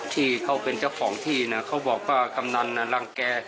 ที่เขาเป็นเจ้าของที่นะเขาบอกว่ากำนันรังแก่